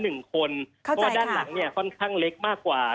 เพราะว่าด้านหลังเนี่ยค่อนข้างเล็กมากกว่า